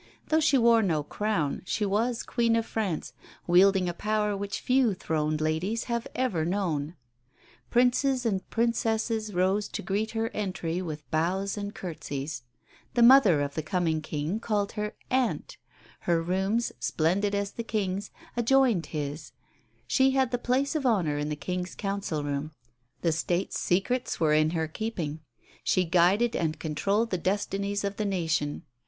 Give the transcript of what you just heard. Though she wore no crown, she was Queen of France, wielding a power which few throned ladies have ever known. Princes and Princesses rose to greet her entry with bows and curtsies; the mother of the coming King called her "aunt"; her rooms, splendid as the King's, adjoined his; she had the place of honour in the King's Council Room; the State's secrets were in her keeping; she guided and controlled the destinies of the nation.